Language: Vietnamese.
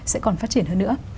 sẽ còn phát triển hơn nữa